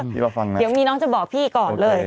เดี๋ยวมีน้องจะบอกพี่ก่อนเลย